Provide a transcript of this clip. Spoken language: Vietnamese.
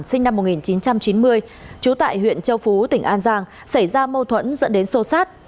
sinh năm một nghìn chín trăm chín mươi trú tại huyện châu phú tỉnh an giang xảy ra mâu thuẫn dẫn đến sô sát